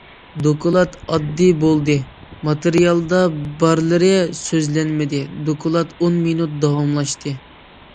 دوكلات ئاددىي بولدى، ماتېرىيالدا بارلىرى سۆزلەنمىدى، دوكلات ئون مىنۇت داۋاملاشتى.